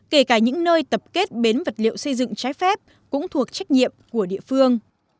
kể cả những nơi tập kết bến vật liệu xây dựng trái phép cũng thuộc trách nhiệm của địa phương